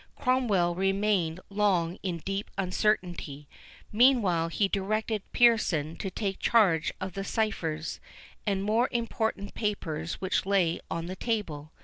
Cromwell remained long in deep uncertainty. Meantime he directed Pearson to take charge of the ciphers, and more important papers which lay on the table.